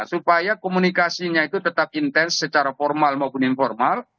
supaya komunikasinya itu tetap intens secara formal maupun informal